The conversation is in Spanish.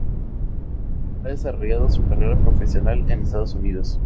Ha desarrollado su carrera profesional en Estados Unidos.